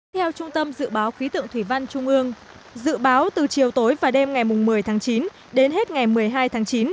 theo trung tâm dự báo khí tượng thủy văn trung ương dự báo từ chiều tối và đêm ngày một mươi tháng chín đến hết ngày một mươi hai tháng chín